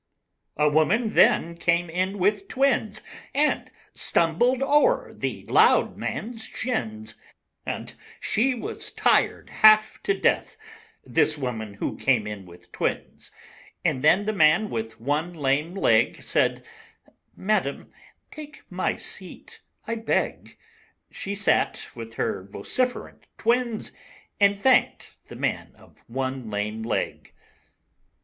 II A woman then came in with twins And stumbled o'er the Loud Man's shins; And she was tired half to death, This Woman Who Came in with Twins; And then the Man with One Lame Leg Said, "Madam, take my seat, I beg." She sat, with her vociferant Twins, And thanked the man of One Lame Leg.